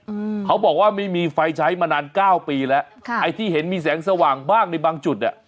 อืมเขาบอกว่าไม่มีไฟใช้มานานเก้าปีแล้วค่ะไอ้ที่เห็นมีแสงสว่างบ้างในบางจุดอ่ะ